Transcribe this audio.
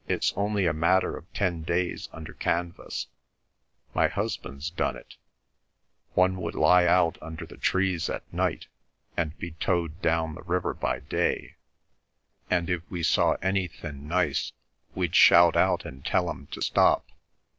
It's only a matter of ten days under canvas. My husband's done it. One would lie out under the trees at night and be towed down the river by day, and if we saw anythin' nice we'd shout out and tell 'em to stop."